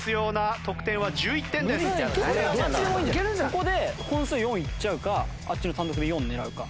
ここで本数４いっちゃうかあっちの単独で４狙うか。